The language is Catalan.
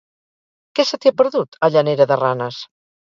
Què se t'hi ha perdut, a Llanera de Ranes?